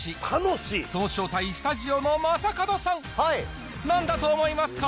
その正体、スタジオの正門さん、なんだと思いますか？